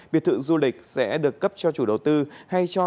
biệt thự du lịch sẽ được cấp cho chủ đầu tư hay cho